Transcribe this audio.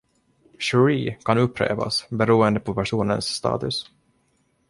”Shri” kan upprepas, beroende på personens status.